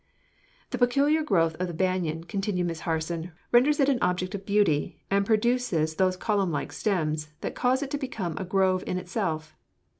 "The peculiar growth of the banyan," continued Miss Harson, "renders it an object of beauty and produces those column like stems that cause it to become a grove in itself.